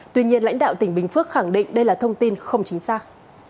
tuy nhiên lãnh đạo tỉnh bình phước khẳng định đây là thông tin không chính xác